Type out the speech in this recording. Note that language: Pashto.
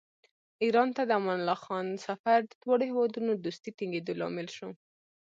ایران ته د امان الله خان سفر د دواړو هېوادونو دوستۍ ټینګېدو لامل شو.